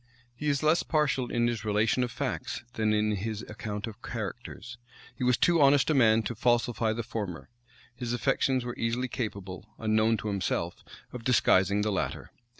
He is less partial in his relation of facts, than in his account of characters: he was too honest a man to falsify the former; his affections were easily capable, unknown to himself, of disguising the latter.